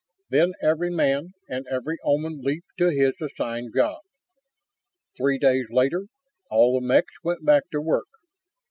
Then every man and every Oman leaped to his assigned job. Three days later, all the mechs went back to work.